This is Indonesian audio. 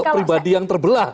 pribadi yang terbelah